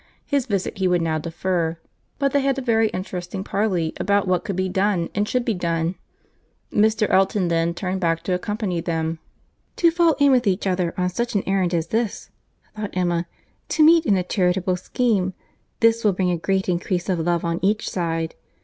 His visit he would now defer; but they had a very interesting parley about what could be done and should be done. Mr. Elton then turned back to accompany them. "To fall in with each other on such an errand as this," thought Emma; "to meet in a charitable scheme; this will bring a great increase of love on each side.